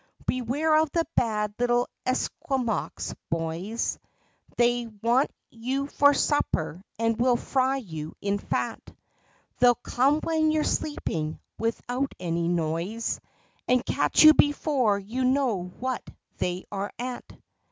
"Beware of the bad little Esquimaux boys They want you for supper, and will fry you in fat; They'll come when you're sleeping, without any noise, And catch you before you know what they are at."